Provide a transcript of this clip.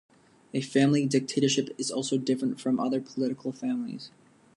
A family dictatorship is also different from other political families.